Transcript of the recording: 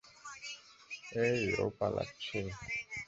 এই, ও পালাচ্ছে।